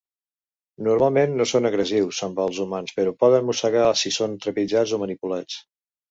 Normalment, no són agressius amb els humans però poden mossegar si són trepitjats o manipulats.